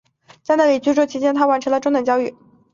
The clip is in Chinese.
在那里居住期间她完成了中等教育。